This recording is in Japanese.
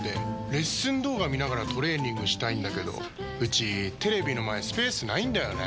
レッスン動画見ながらトレーニングしたいんだけどうちテレビの前スペースないんだよねー。